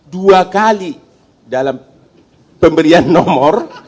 dua kali dalam pemberian nomor